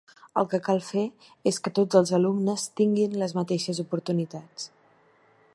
El que cal fer és que tots els alumnes tinguen les mateixes oportunitats.